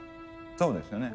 そうですよね。